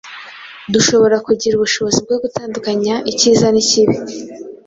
Dushobora kugira ubushobozi bwo gutandukanya icyiza n’ikibi